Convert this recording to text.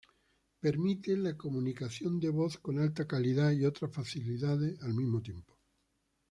Permite la comunicación de voz con alta calidad y otras facilidades al mismo tiempo.